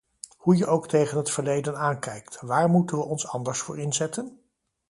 Hoe je ook tegen het verleden aankijkt, waar moeten we ons anders voor inzetten?